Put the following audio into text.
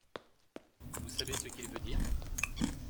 Vous savez ce qu'il veut dire ?